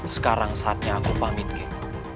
sekarang saatnya aku pamit game